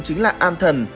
chính là an thần